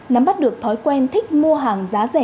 nắm bắt được thói quen thích mua hàng giá rẻ